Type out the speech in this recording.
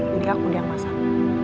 jadi aku diang masak